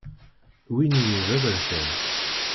Win-inu d aberkan!